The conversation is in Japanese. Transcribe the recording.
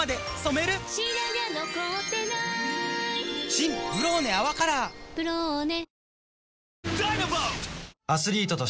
新「ブローネ泡カラー」「ブローネ」